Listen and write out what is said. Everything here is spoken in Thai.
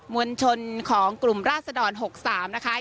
วลชนของกลุ่มราศดร๖๓นะคะ